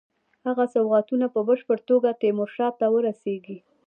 هغه سوغاتونه په بشپړه توګه تیمورشاه ته ورسیږي.